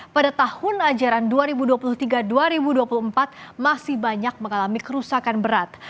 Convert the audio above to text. pada tahun ajaran dua ribu dua puluh tiga dua ribu dua puluh empat masih banyak mengalami kerusakan berat